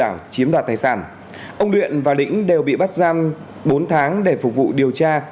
ông điện và đĩnh đều bị bắt giam bốn tháng để phục vụ điều tra